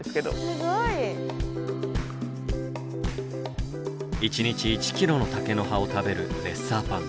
すごい。一日１キロの竹の葉を食べるレッサーパンダ。